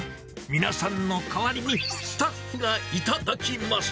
皆さんの代わりに、スタッフが頂きます。